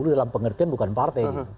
dalam pengertian bukan partai